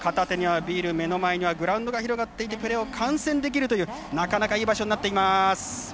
グラウンドが広がっていてプレーを観戦できるというなかなかいい場所になっています。